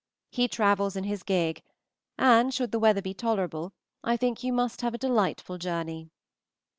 He travels in his gig, and should the weather be tolerable I think you must have a delightful journey.